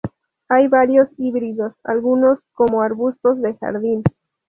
Hay varios híbridos, algunos como arbustos de jardín.